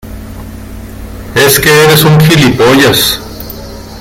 es que eres un gilipollas.